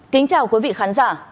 kính chào quý vị khán giả